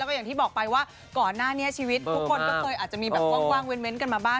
ก็อย่างที่บอกไปว่าก่อนหน้านี้ชีวิตทุกคนก็เคยอาจจะมีแบบว่างเว้นกันมาบ้าง